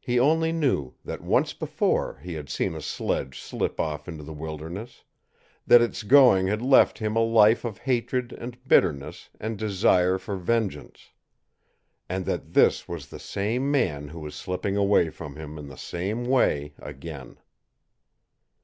He only knew that once before he had seen a sledge slip off into the wilderness; that its going had left him a life of hatred and bitterness and desire for vengeance; and that this was the same man who was slipping away from him in the same way again.